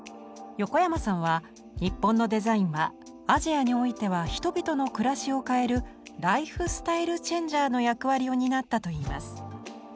横山さんは日本のデザインはアジアにおいては人々の暮らしを変える「ライフスタイル・チェンジャー」の役割を担ったといいます。